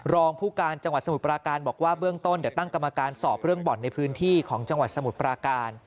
รองผู้การจังหวัดสมุทรปราการบอกว่าเบื้องต้นเดี๋ยวตั้งกรรมการสอบเรื่องบ่อนในพื้นที่ของจังหวัดสมุทรปราการ